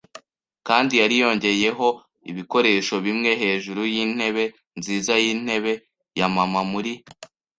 kandi yari yongeyeho ibikoresho bimwe - hejuru yintebe nziza yintebe ya mama muri